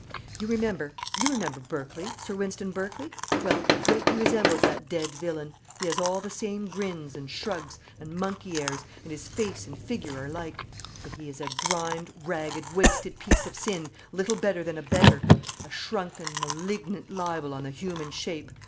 You remember you remember Berkley Sir Wynston Berkley. Well, he greatly resembles that dead villain: he has all the same grins, and shrugs, and monkey airs, and his face and figure are like. But he is a grimed, ragged, wasted piece of sin, little better than a beggar a shrunken, malignant libel on the human shape.